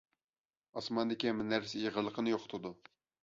ئاسماندىكى ھەممە نەرسە ئېغىرلىقىنى يوقىتىدۇ.